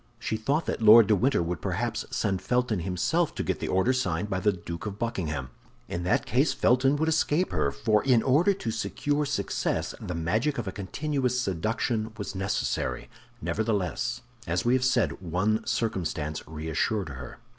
She thought that Lord de Winter would perhaps send Felton himself to get the order signed by the Duke of Buckingham. In that case Felton would escape her—for in order to secure success, the magic of a continuous seduction was necessary. Nevertheless, as we have said, one circumstance reassured her.